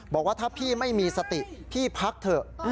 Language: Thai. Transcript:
บอกว่าถ้าพี่ไม่มีสติพี่พักเถอะ